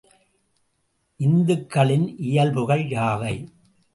இத்துகள்களின் இயல்புகள் யாவை?